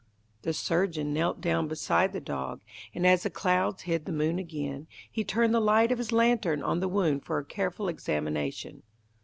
The surgeon knelt down beside the dog, and as the clouds hid the moon again, he turned the light of his lantern on the wound for a careful examination.